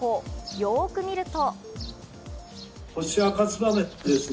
よく見ると。